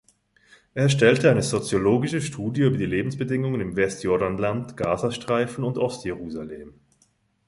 Er erstellte eine soziologische Studie über die Lebensbedingungen im Westjordanland, Gazastreifen und Ost-Jerusalem.